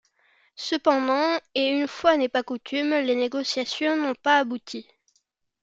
Cependant, et une fois n'est pas coutume, les négociations n'ont pas abouties.